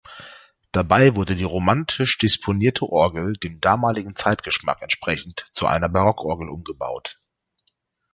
Dabei wurde die romantisch disponierte Orgel dem damaligen Zeitgeschmack entsprechend zu einer Barockorgel umgebaut.